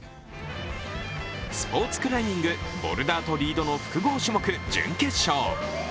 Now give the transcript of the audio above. スポーツクライミング、ボルダーとリードの複合種目、準優勝。